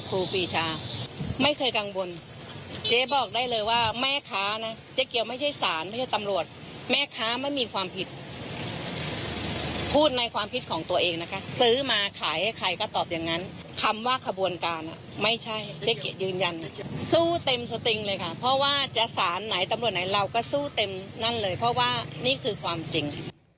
สู้เต็มสติงเลยค่ะเพราะว่าจะสารไหนตำรวจไหนเราก็สู้เต็มนั่นเลยเพราะว่านี่คือความจริง